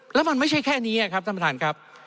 แล้วมันไม่ใช่แค่นี้ครับท่านประธานครับ